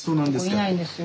いないんですよ。